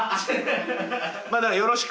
まあだからよろしく。